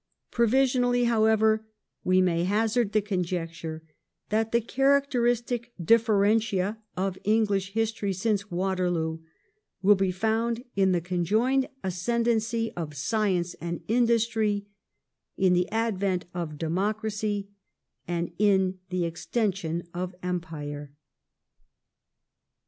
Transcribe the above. Pro visionally, however, we may hazard the conjecture that the char acteristic differentia of English history since Waterloo will be found in the conjoined ascendancy of Science and Industry, in the advent of Democracy, and in the extension of Empire..